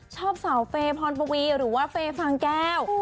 ชอบสาวเฟย์พรปวีหรือว่าเฟย์ฟางแก้ว